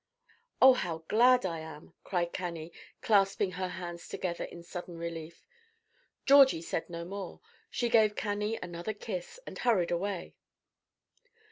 "Oh, how glad I am!" cried Cannie, clasping her hands together in sudden relief. Georgie said no more; she gave Cannie another kiss, and hurried away.